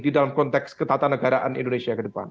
di dalam konteks ketatanegaraan indonesia ke depan